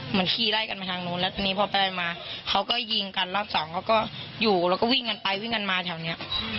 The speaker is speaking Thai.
ขี่ไล่กันมาทางนู้นแล้วทีนี้พอไปไล่มาเขาก็ยิงกันรอบสองเขาก็อยู่แล้วก็วิ่งกันไปวิ่งกันมาแถวนี้